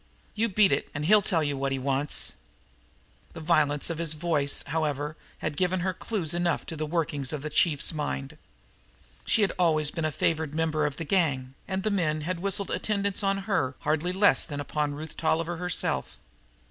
You beat it, and he'll tell you what he wants." The violence of this language, however, had given her clues enough to the workings of the chief's mind. She had always been a favored member of the gang, and the men had whistled attendance on her hardly less than upon Ruth Tolliver herself.